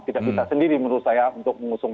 tidak bisa sendiri menurut saya untuk mengusung